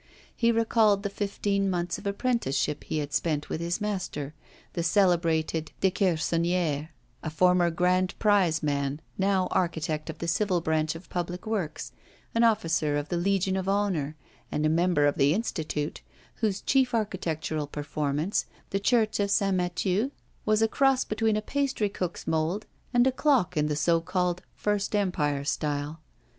He recalled the fifteen months of apprenticeship he had spent with his master, the celebrated Dequersonnière, a former grand prize man, now architect of the Civil Branch of Public Works, an officer of the Legion of Honour and a member of the Institute, whose chief architectural performance, the church of St. Mathieu, was a cross between a pastry cook's mould and a clock in the so called First Empire style.